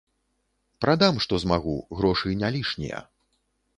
Прадам, што змагу, грошы не лішнія.